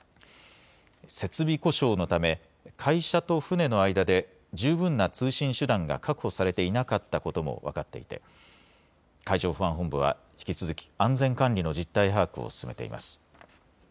設備故障のため会社と船の間で十分な通信手段が確保されていなかったことも分かっていて海上保安本部は引き続き安全管理の実態把握を進めています。